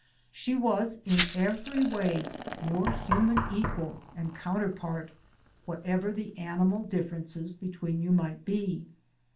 She was in every way your human equal and counterpart, whatever the animal differences between you might be.